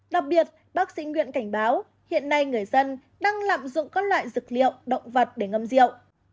đặc biệt bác sĩ nguyện cảnh báo hiện nay người dân đang lạm dụng các loại dược liệu động vật để ngâm rượu